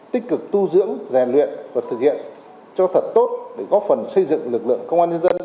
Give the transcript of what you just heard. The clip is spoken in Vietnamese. tích cực tu dưỡng rèn luyện và thực hiện cho thật tốt để góp phần xây dựng lực lượng công an nhân dân